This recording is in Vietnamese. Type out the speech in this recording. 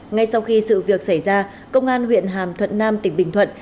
ngay sau khi sự việc xảy ra công an huyện hàm thuận nam tỉnh bình thuận